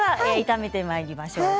炒めてまいります。